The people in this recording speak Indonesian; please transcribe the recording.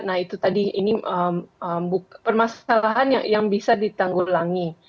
nah itu tadi ini permasalahan yang bisa ditanggulangi